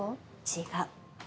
違う。